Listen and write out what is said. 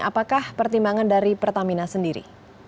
apakah pertimbangan dari pertamina sendiri